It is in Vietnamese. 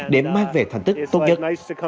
để mang về thành tích tốt nhất